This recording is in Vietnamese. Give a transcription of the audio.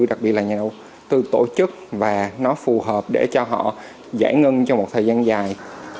đặc biệt là nhà đầu tư tổ chức và nó phù hợp để cho họ giải ngân trong một thời gian dài